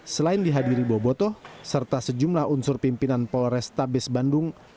selain dihadiri bobotoh serta sejumlah unsur pimpinan polrestabes bandung